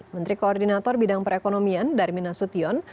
menteri koordinator bidang perekonomian darmina sutyon